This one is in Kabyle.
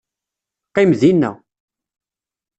Qqim dinna.